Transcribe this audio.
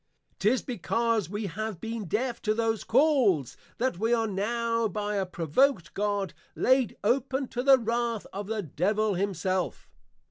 'Tis because we have been Deaf to those Calls that we are now by a provoked God, laid open to the Wrath of the Devil himself.